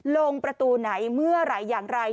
ลงประตูไหนเมื่อไหร่อย่างไร